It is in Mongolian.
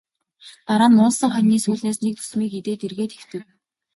Дараа нь муулсан хонины сүүлнээс нэг зүсмийг идээд эргээд хэвтэв.